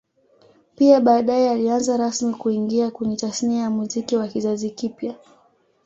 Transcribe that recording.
Pia baadae alianza rasmi kuingia kwenye Tasnia ya Muziki wa kizazi kipya